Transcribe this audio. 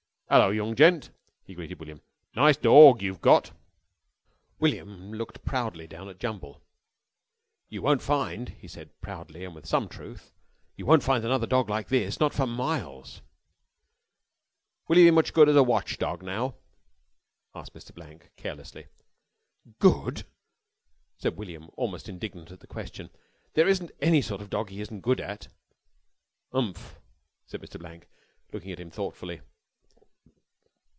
"'Ello, young gent," he greeted William, "nice dorg you've got." William looked proudly down at Jumble. "You won't find," he said proudly and with some truth, "you won't find another dog like this not for miles!" "Will 'e be much good as a watch dog, now?" asked Mr. Blank carelessly. "Good?" said William, almost indignant at the question. "There isn't any sort of dog he isn't good at!" "Umph," said Mr. Blank, looking at him thoughtfully.